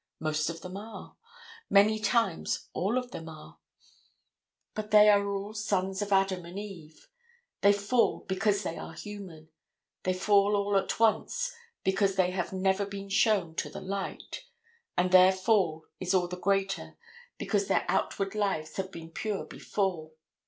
Most of them are. Many times all of them are. But they are all sons of Adam and Eve. They fall because they are human. They fall all at once because they have never been shown to the light, and their fall is all the greater because their outward lives have been pure before.